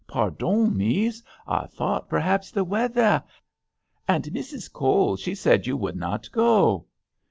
" Pardon, Mees ; I thought perhaps the weather — and Mrs. Cowell she said you would not go."